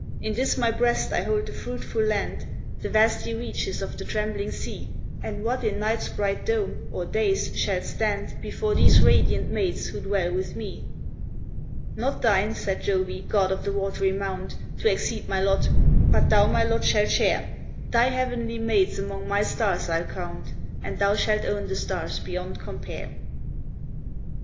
"In this my breast I hold the fruitful land, The vasty reaches of the trembling sea; And what in night's bright dome, or day's, shall stand Before these radiant maids who dwell with me?" "Not thine," said Jove, "god of the watery mount, To exceed my lot; but thou my lot shalt share: Thy heavenly maids among my stars I'll count, And thou shalt own the stars beyond compare!"